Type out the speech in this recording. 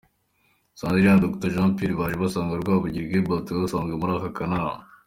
Sandrine na Dr Jean Pierre baje basanga Rwabigwi Gilbert wari usanzwe muri aka akanama .